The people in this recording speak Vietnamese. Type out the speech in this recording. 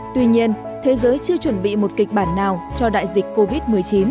tuy nhiên thế giới chưa chuẩn bị một kịch bản nào cho đại dịch covid một mươi chín